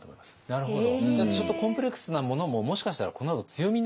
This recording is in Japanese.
なるほど。